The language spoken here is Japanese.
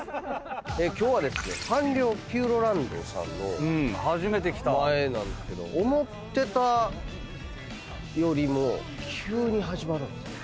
今日はサンリオピューロランドさんの前なんですけど思ってたよりも急に始まるんですね。